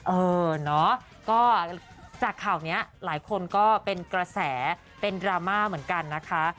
เออเนาะก็จากข่าวนี้หลายคนก็เป็นกระแสเป็นดราม่าเหมือนกันนะคะ